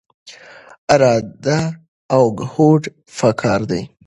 اراده او هوډ پکار دی.